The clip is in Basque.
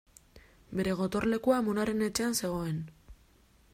Bere gotorlekua amonaren etxean zegoen.